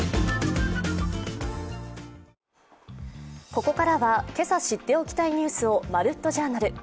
ここからは、今朝知っておきたいニュースを「まるっと！Ｊｏｕｒｎａｌ」。